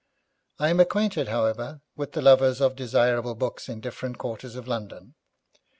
I am acquainted, however, with the lovers of desirable books in different quarters of London.